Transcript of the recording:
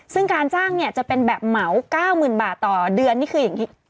ซึ่งการจ้างเนี่ยจะเป็นแบบเหมา๙๐๐๐บาทต่อเดือนนี่คืออย่างนี้